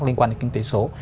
liên quan đến kinh tế số